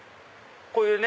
こういうね